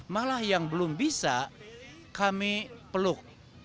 malah yang belum bisa kami peluk